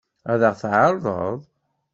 Ad ɣ-t-tɛeṛḍeḍ?